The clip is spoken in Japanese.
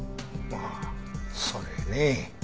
ああそれね。